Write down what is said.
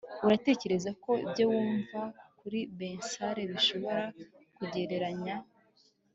uratekereza ko ibyo wumva kuri bensali bishobora kugereranya